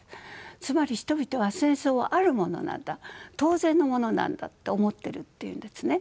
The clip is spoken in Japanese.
つまり人々は戦争はあるものなんだ当然のものなんだって思ってるっていうんですね。